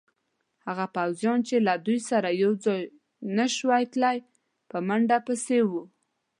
هغه پوځیان چې له دوی سره یوځای نه شوای تلای، په منډه پسې وو.